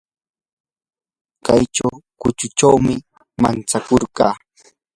qucha kuchunchawmi mantsakurqaa.